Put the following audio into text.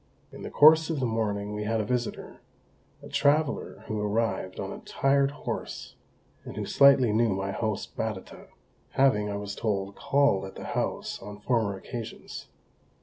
In the course of the morning we had a visitor; a traveller who arrived on a tired horse, and who slightly knew my host Batata, having, I was told, called at the house on former occasions.